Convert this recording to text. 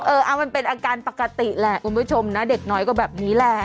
เออเอามันเป็นอาการปกติแหละคุณผู้ชมนะเด็กน้อยก็แบบนี้แหละ